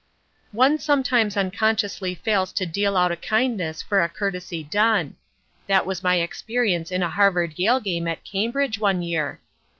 One sometimes unconsciously fails to deal out a kindness for a courtesy done. That was my experience in a Harvard Yale game at Cambridge one year.